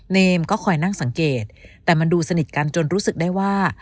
เนมก็คอยนั่งสังเกตแต่มันดูสนิทกันจนรู้สึกได้ว่า